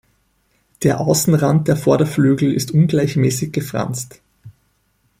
Der Außenrand der Vorderflügel ist ungleichmäßig gefranst.